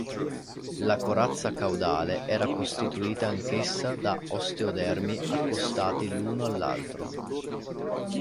La corazza caudale era costituita anch'essa da osteodermi accostati l'uno all'altro.